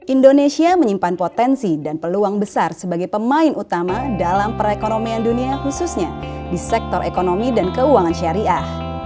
indonesia menyimpan potensi dan peluang besar sebagai pemain utama dalam perekonomian dunia khususnya di sektor ekonomi dan keuangan syariah